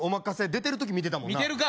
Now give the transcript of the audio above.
出てる時見てたもんな見てるか！